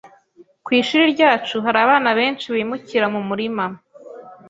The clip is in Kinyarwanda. Ku ishuri ryacu hari abana benshi bimukira mu murima.